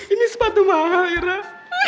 ini sepatu mahal irak